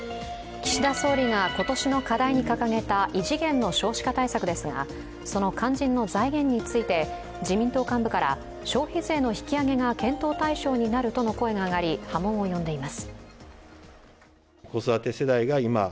岸田総理が今年の課題に掲げた異次元の少子化対策ですがその肝心の財源について、自民党幹部から消費税の引き上げが検討対象になるとの声が上がり、波紋を呼んでいます。